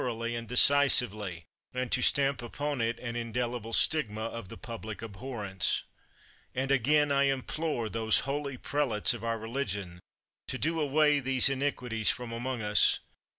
228 CHATHAM oughly and decisively, and to stamp upon it an indelible stigma of the public abhorrence. And I again implore those holy prelates of our re ligion to do away these iniquities from among us.